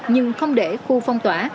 nhưng không để khu phong tỏa